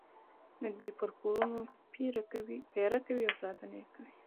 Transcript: د دوی پر کورونو پېره کوي او ساتنه یې کوي.